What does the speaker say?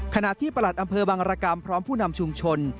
ขณะที่ประหลัดอำเภอบังรกรรมพร้อมผู้นำชุมชน